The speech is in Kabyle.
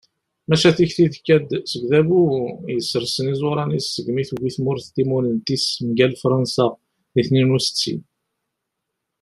maca tikti tekka-d seg udabu yessersen iẓuṛan-is segmi tewwi tmurt timunent-is mgal fṛansa di tniyen u settin